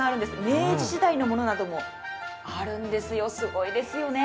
明治時代のものなどもあるんですよ、すごいですね。